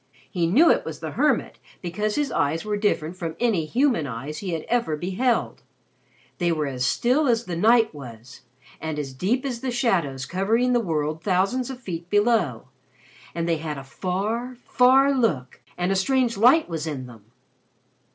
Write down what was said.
He knew it was the hermit because his eyes were different from any human eyes he had ever beheld. They were as still as the night was, and as deep as the shadows covering the world thousands of feet below, and they had a far, far look, and a strange light was in them."